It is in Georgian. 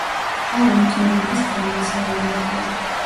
ალან ტიურინგის პრემიის ლაურეატი.